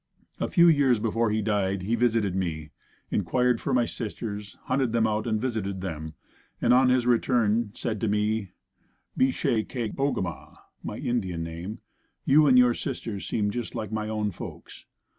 A few years before he died he visited me, inquired for my sisters, hunted them out and visited them, and on his return said to me "Be she ke o ge ma," my Indian name, "you and your sisters seem just like my own folks."